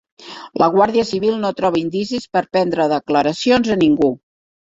La Guàrdia Civil no troba indicis per prendre declaracions a ningú